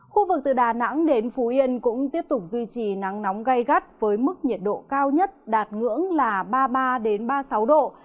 khu vực từ đà nẵng đến phú yên cũng tiếp tục duy trì nắng nóng gây gắt với mức nhiệt độ cao nhất đạt ngưỡng là ba mươi ba ba mươi sáu độ